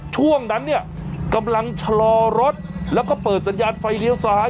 ช่วงนั้นเนี่ยกำลังชะลอรถแล้วก็เปิดสัญญาณไฟเลี้ยวซ้าย